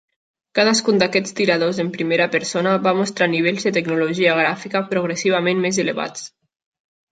Cadascun d'aquests tiradors en primera persona va mostrar nivells de tecnologia gràfica progressivament més elevats.